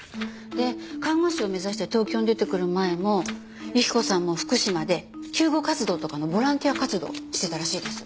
で看護師を目指して東京に出てくる前も雪子さんも福島で救護活動とかのボランティア活動してたらしいです。